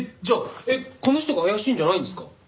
じゃあこの人が怪しいんじゃないんですか？